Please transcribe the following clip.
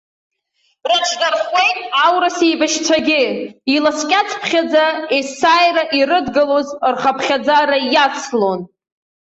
Рыҽдырӷәӷәеит аурыс еибашьцәагьы, иласкьацыԥхьаӡа есааира ирыдгылоз рхыԥхьаӡара иацлон.